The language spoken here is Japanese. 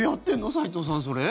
齊藤さん、それ。